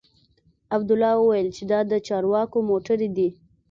عبدالله وويل چې دا د چارواکو موټرې دي.